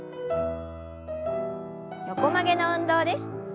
横曲げの運動です。